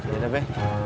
ya udah be